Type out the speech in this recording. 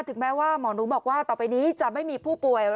ถึงแม้ว่าหมอหนูบอกว่าต่อไปนี้จะไม่มีผู้ป่วย